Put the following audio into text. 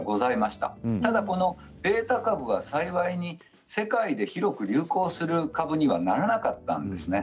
ただこのベータ株は幸いに世界で広く流行する株にはならなかったんですね。